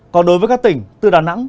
còn đối với các tỉnh từ đà nẵng